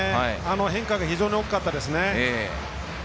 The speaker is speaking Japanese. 変化が非常に大きかったですね。